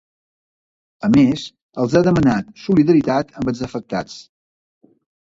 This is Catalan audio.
A més, els ha demanat solidaritat amb els afectats.